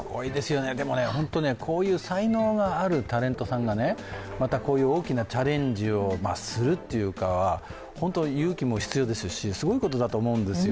でもね、こういう才能があるタレントさんがね、またこういう大きなチャレンジをするというのは本当に勇気も必要ですし、すごいことだと思うんですよ。